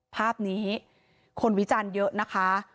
ภาพนี้คนวิจารณ์เยอะนะคะ